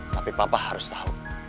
tapi papa harus tahu